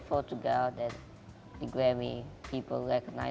saya tidak ingin menjadi seperti